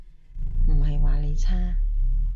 唔係話你差